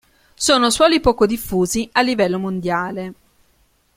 Sono suoli poco diffusi a livello mondiale.